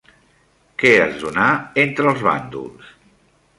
Què es donà entre els bàndols?